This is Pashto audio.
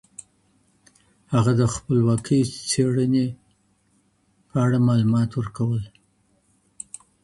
هغه د خپلواکې څيړني په اړه معلومات ورکول.